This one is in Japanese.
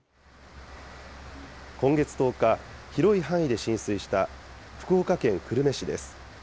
今月１０日、広い範囲で浸水した福岡県久留米市です。